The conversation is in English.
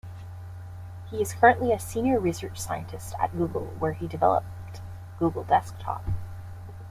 He is currently a Senior Research Scientist at Google where he developed Google Desktop.